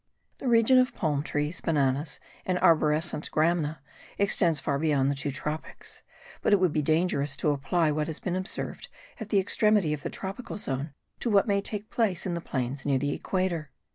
The region of palm trees, bananas and arborescent gramina extends far beyond the two tropics: but it would be dangerous to apply what has been observed at the extremity of the tropical zone to what may take place in the plains near the equator.